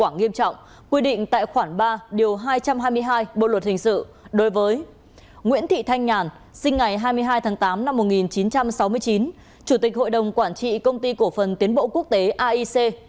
nguyễn thị thanh nhàn sinh ngày hai mươi hai tháng tám năm một nghìn chín trăm sáu mươi chín chủ tịch hội đồng quản trị công ty cổ phần tiến bộ quốc tế aic